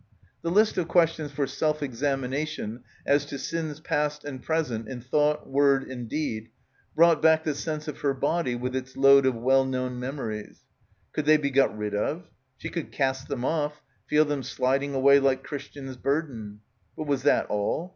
The list of questions for self examination as to sins past and present in thought, word, and deed brought back the sense of her body with its load of wfell known memories. Could they be got rid of? She could cast them off, feel them sliding away like Christian's Burden. But was that all?